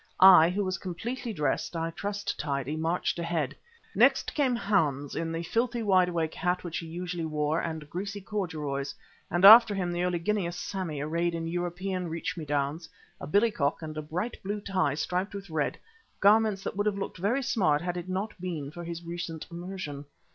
I, who was completely dressed, and I trust tidy, marched ahead. Next came Hans in the filthy wide awake hat which he usually wore and greasy corduroys and after him the oleaginous Sammy arrayed in European reach me downs, a billy cock and a bright blue tie striped with red, garments that would have looked very smart had it not been for his recent immersion.